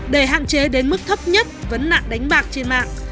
để hạn chế đến mức thấp nhất vấn nạn đánh bạc trên mạng